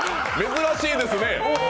珍しいですね。